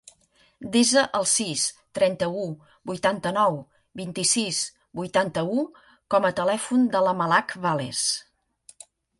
Desa el sis, trenta-u, vuitanta-nou, vint-i-sis, vuitanta-u com a telèfon de la Malak Vales.